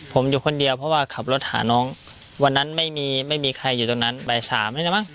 ผมอยู่คนเดียวเพราะว่าขับรถหาน้องวันนั้นไม่มีใครอยู่ตรงนั้นใบ๓นี่นะมั้ง